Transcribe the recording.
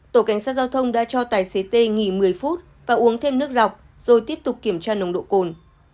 tổ cảnh sát giao thông đã cho tài xế tê nghỉ một mươi phút và uống thêm nước dọc rồi tiếp tục kiểm tra nồng độ cồn